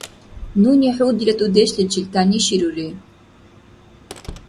Нуни хӀу дила дудешличил тяниширури.